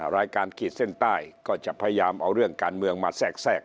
รายการขีดเส้นใต้ก็จะพยายามเอาเรื่องการเมืองมาแทรกแทรก